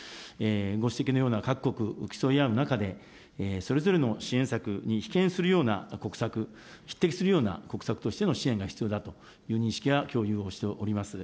ご指摘のような各国、競い合う中で、それぞれの支援策に比肩するような国策、匹敵するような国策としての支援が必要だという認識は共有をしております。